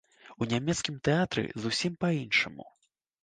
У нямецкім тэатры зусім па-іншаму.